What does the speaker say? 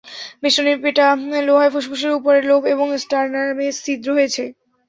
বেষ্টনীর পেটা লোহায় ফুসফুসের উপরের লোব এবং স্টানার্মে ছিদ্র হয়েছে।